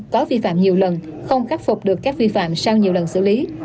có vi phạm nhiều lần không khắc phục được các vi phạm sau nhiều lần xử lý